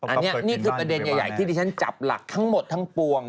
อันนี้นี่คือประเด็นใหญ่ที่ที่ฉันจับหลักทั้งหมดทั้งปวง